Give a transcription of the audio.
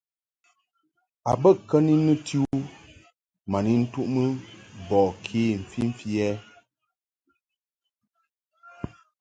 A bə kə ni nɨti u ma ni ntuʼmɨ bɔ ke mfimfi ɛ ?